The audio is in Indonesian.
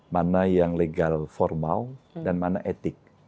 mana yang legal formal dan mana etik